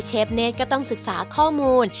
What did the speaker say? เนธก็ต้องศึกษาข้อมูล